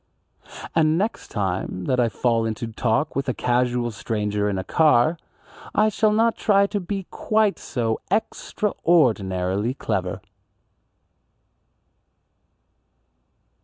And next time that I fall into talk with a casual stranger in a car, I shall not try to be quite so extraordinarily clever.